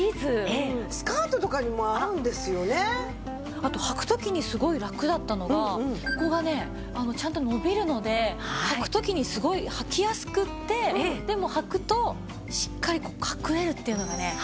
あと履く時にすごいラクだったのがここがねちゃんと伸びるので履く時にすごい履きやすくてでも履くとしっかり隠れるっていうのがね考えられてるなって思いますね。